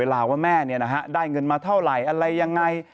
ว่าแม่ได้เงินมาเท่าไหร่อะไรยังไง